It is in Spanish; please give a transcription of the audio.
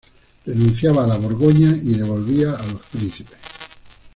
Renunciaba a la Borgoña y devolvía a los príncipes.